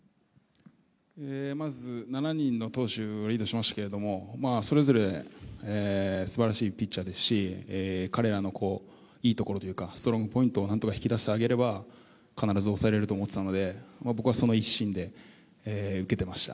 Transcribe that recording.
まず、７人の投手をリードしましたけれどもそれぞれすばらしいピッチャーですし、彼らのいいところというか、ストロングポイントをなんとか引き出してあげれば必ず抑えられると思っていたので僕はその一心で受けていました。